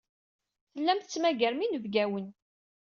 Tellam tettmagarem inebgawen.